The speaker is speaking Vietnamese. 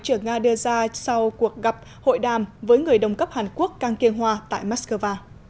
trưởng nga đưa ra sau cuộc gặp hội đàm với người đồng cấp hàn quốc kang kyung hoa tại moscow